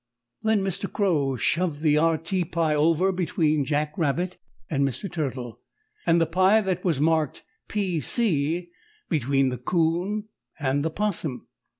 Then Mr. Crow shoved the R. T. pie over between Jack Rabbit and Mr. Turtle and the pie that was marked P. C. between the 'Coon and the 'Possum.